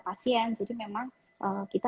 pasien jadi memang kita